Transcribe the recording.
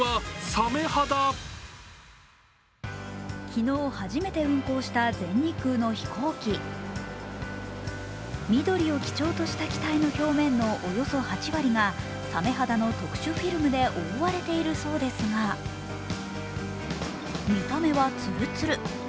昨日、初めて運航した全日空の飛行機緑を基調とした機体のほぼ８割がさめ肌の特殊フィルムで覆われているそうですが見た目はツルツル。